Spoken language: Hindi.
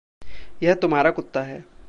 यह तुम्हारा कुत्ता है।